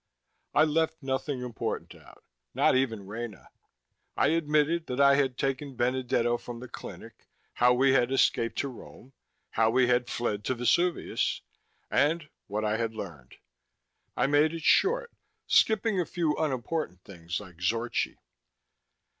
I left nothing important out, not even Rena. I admitted that I had taken Benedetto from the clinic, how we had escaped to Rome, how we had fled to Vesuvius ... and what I had learned. I made it short, skipping a few unimportant things like Zorchi.